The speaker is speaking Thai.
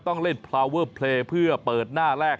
ต้องเล่นพาวเวอร์เพลย์เพื่อเปิดหน้าแรก